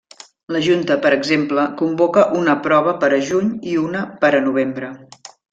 La Junta, per exemple, convoca una prova per a juny i una per a novembre.